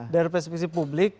dari persepsi publik